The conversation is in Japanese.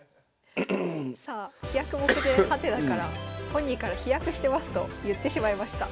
さあ「飛躍目前⁉」から本人から「飛躍してます」と言ってしまいました。